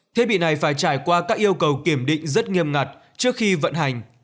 thiết bị này phải trải qua các yêu cầu kiểm định rất nghiêm ngặt trước khi vận hành